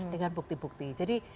dengan bukti bukti jadi